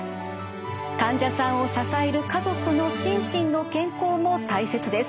患者さんを支える家族の心身の健康も大切です。